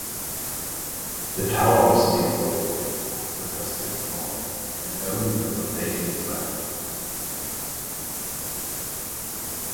The tower was demolished after the Pacific War, and only the foundation is left.